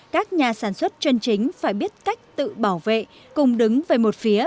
các nhà sản xuất chân chính phải biết cách tự bảo vệ cùng đứng về một phía